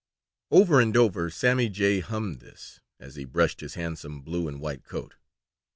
Over and over Sammy Jay hummed this, as he brushed his handsome blue and white coat.